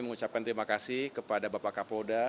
mengucapkan terima kasih kepada bapak kapolda